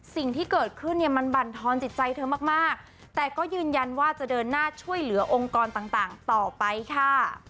สิ่งที่เกิดขึ้นเนี่ยมันบรรทอนจิตใจเธอมากแต่ก็ยืนยันว่าจะเดินหน้าช่วยเหลือองค์กรต่างต่อไปค่ะ